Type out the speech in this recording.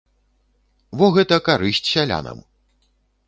Во гэта карысць сялянам!